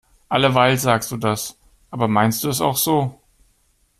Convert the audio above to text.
Alleweil sagst du das. Aber meinst du es auch so?